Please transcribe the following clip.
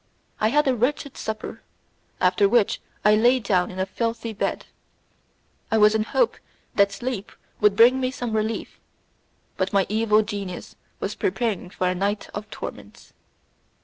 I had a wretched supper, after which I lay down in a filthy bed. I was in hope that sleep would bring me some relief, but my evil genius was preparing for me a night of torments.